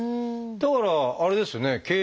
だからあれですよね？